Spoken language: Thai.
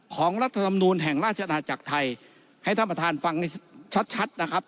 รัฐธรรมนูลแห่งราชอาณาจักรไทยให้ท่านประธานฟังชัดนะครับ